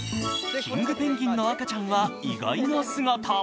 キングペンギンの赤ちゃんは意外な姿。